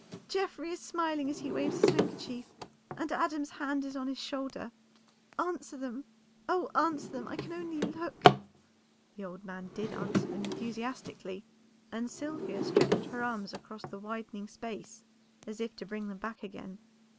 Geoffrey is smiling as he waves his handkerchief, and Adam's hand is on his shoulder. Answer them! oh, answer them! I can only look." The old man did answer them enthusiastically, and Sylvia stretched her arms across the widening space as if to bring them back again.